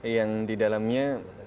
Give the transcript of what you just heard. yang di dalamnya